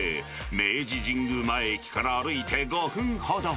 明治神宮前駅から歩いて５分ほど。